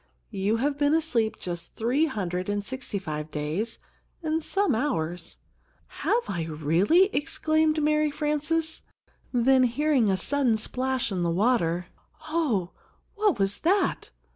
You have been asleep just three hundred and sixty five days and some hours." "Have I really?" exclaimed Mary Frances; then hearing a sudden splash in the water, "Oh, what was that?